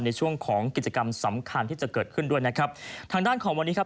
ในช่วงของกิจกรรมสำคัญที่จะเกิดขึ้นด้วยนะครับทางด้านของวันนี้ครับ